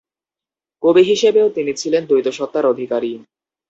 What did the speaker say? কবি হিসেবেও তিনি ছিলেন দ্বৈতসত্তার অধিকারী।